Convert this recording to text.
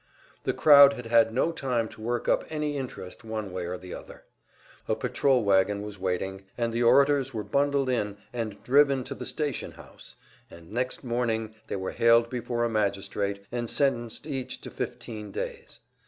The crowd had had no time to work up any interest one way or the other, A patrol wagon was waiting, and the orators were bundled in and driven to the station house, and next morning they were haled before a magistrate and sentenced each to fifteen days.